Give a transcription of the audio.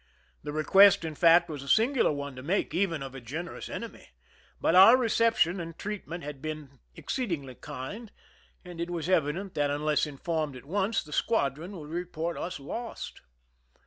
The request, in fact, was a singular one to make, even of a generous enemy ; but our recep tion and treatment had been exceedingly kind, and it was evident that, unless informed at once, the squadron would report us lost.